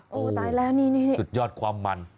โอ้โหตายแล้วนี่สุดยอดความมัน